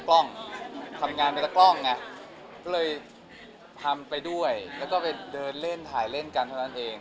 หรือว่าบางคนก็บอกว่านี่อาจจะได้เห็นในการกันจริง